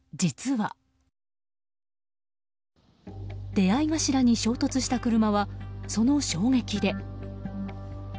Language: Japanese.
出会い頭に衝突した車はその衝撃で。